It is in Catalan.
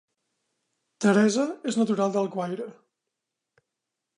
Teresa és natural d'Alguaire